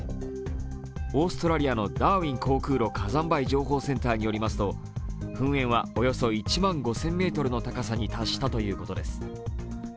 オーストラリアのダーウィン航空路火山灰情報センターによりますと、噴煙はおよそ１万５０００ｍの高さに達したということです。